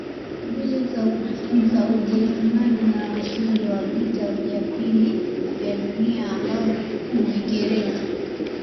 mbili za Ujerumani na washindi wa Vita vya Pili vya Dunia ambao ni Uingereza